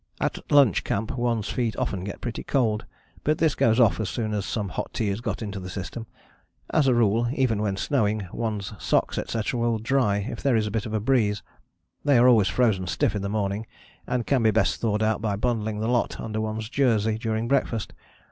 At lunch camp one's feet often get pretty cold, but this goes off as soon as some hot tea is got into the system. As a rule, even when snowing, one's socks, etc., will dry if there is a bit of a breeze. They are always frozen stiff in the morning and can best be thawed out by bundling the lot [under one's] jersey during breakfast.